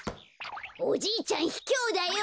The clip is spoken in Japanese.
おじいちゃんひきょうだよ！